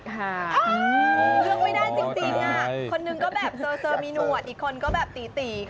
ใช่